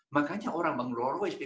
makanya orang menggunakan rolls royce